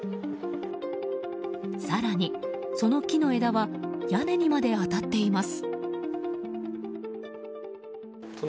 更に、その木の枝は屋根にまで当たっています。